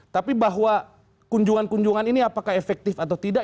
tapi bahwa kunjungan kunjungan ini apakah efektif atau tidak